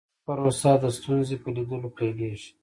دا پروسه د ستونزې په لیدلو پیلیږي.